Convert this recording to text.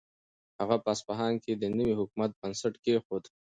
هغه په اصفهان کې د نوي حکومت بنسټ کېښود.